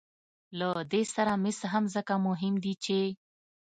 له دې سره مس هم ځکه مهم دي چې